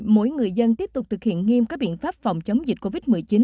mỗi người dân tiếp tục thực hiện nghiêm các biện pháp phòng chống dịch covid một mươi chín